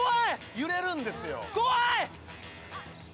揺れるんですよ怖い！